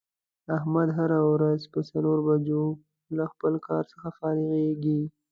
احمد هره روځ په څلور بجو له خپل کار څخه فارغ کېږي.